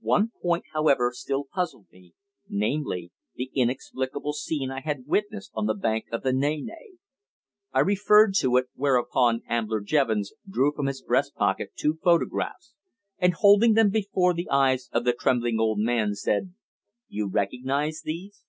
One point, however, still puzzled me, namely, the inexplicable scene I had witnessed on the bank of the Nene. I referred to it; whereupon Ambler Jevons drew from his breast pocket two photographs, and, holding them before the eyes of the trembling old man, said: "You recognise these?